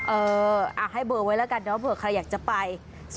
เออให้เบอร์ไว้แล้วกันเดี๋ยวเบอร์ใครอยากจะไป๐๖๕๖๙๘๔๙๑๙